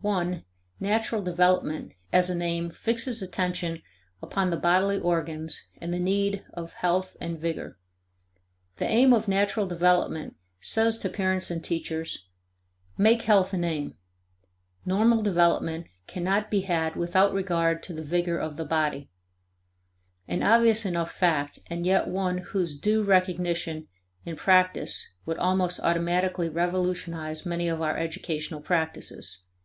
(1) Natural development as an aim fixes attention upon the bodily organs and the need of health and vigor. The aim of natural development says to parents and teachers: Make health an aim; normal development cannot be had without regard to the vigor of the body an obvious enough fact and yet one whose due recognition in practice would almost automatically revolutionize many of our educational practices.